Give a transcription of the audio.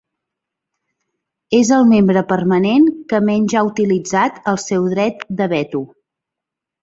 És el membre permanent que menys ha utilitzat el seu dret de veto.